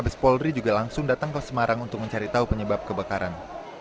mabes polri juga langsung datang ke semarang untuk mencari tahu penyebab kebakaran